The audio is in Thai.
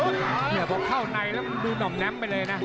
เนี่ยพอเข้าในแล้วมันดูห่อมแน้มไปเลยนะ